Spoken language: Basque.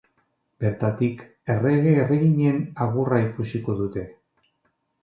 Bertatik, errege-erreginen agurra ikusiko dute.